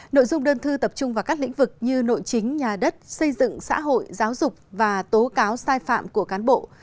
nội dung đơn thư tập trung vào các lĩnh vực như nội chính nhà đất xây dựng xã hội giáo dục và tố cáo sai phạm của cán bộ